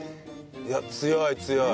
いや強い強い。